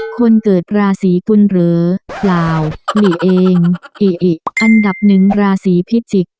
คนเกิดราศีกุ้นเหลอเปล่าหลีเองอันดับหนึ่งราศีพิจิก